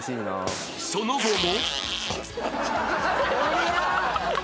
［その後も］